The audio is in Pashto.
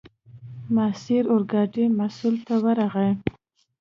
ماسیر اورګاډي مسوول ته ورغی.